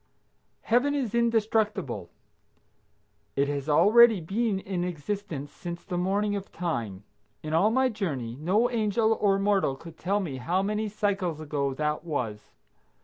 Heaven is indestructible. It has already been in existence since the morning of time. In all my journey, no angel or mortal could tell me how many cycles ago that was.